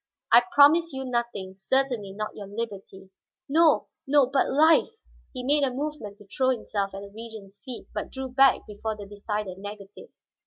"I promise you nothing. Certainly not your liberty." "No, no, but life!" he made a movement to throw himself at the Regent's feet, but drew back before the decided negative.